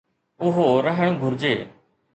اهو رهڻ گهرجي.